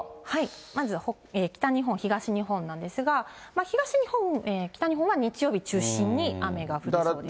まずは北日本、東日本なんですが、東日本、北日本は日曜日中心に雨が降りそうです。